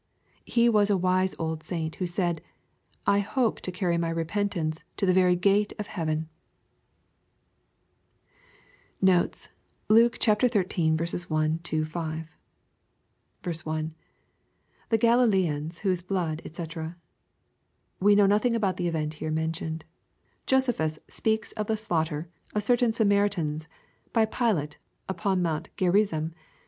He was a wise old saint who said, " I hope to carry my repentance to the very gate of heaven." Notes. Litke XIII. 1 — 5. 1. — [The ChltUeans, whose hloodj <fcc.] We know nothing about the event here mentioned. Josephus speaks of the slaughter of certain Samaritans by Pilate upon mount Gerizim.